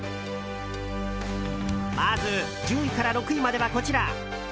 まず、１０位から６位まではこちら。